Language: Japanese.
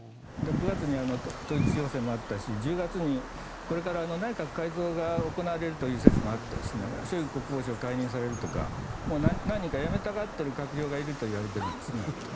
９月に統一地方選もあったし１０月に、これから内閣改造が行われるという説もあってショイグ国防相が解任されるとか何人か辞めたがっている閣僚がいるといわれているんです。